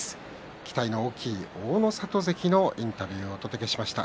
期待の大きい大の里関のインタビューをお届けしました。